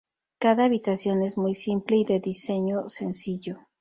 Cada habitación es muy simple y de diseño sencillo.